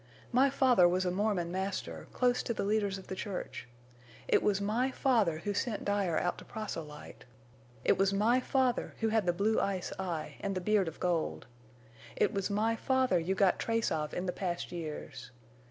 My father was a Mormon master, close to the leaders of the church. It was my father who sent Dyer out to proselyte. It was my father who had the blue ice eye and the beard of gold. It was my father you got trace of in the past years.